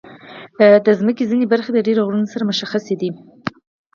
د مځکې ځینې برخې د ډېرو غرونو سره مشخصې دي.